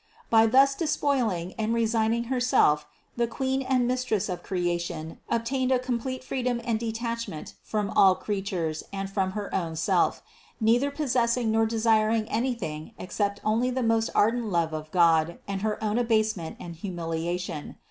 By thus despoiling and resigning Herself the Queen and Mistress of creation obtained a complete freedom and detachment from all creatures and from her own Self, neither possessing nor desiring anything except only the most ardent love of God and her own abasement and hu miliation.